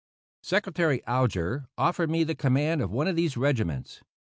Secretary Alger offered me the command of one of these regiments.